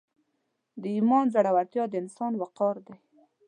د ایمان زړورتیا د انسان وقار دی.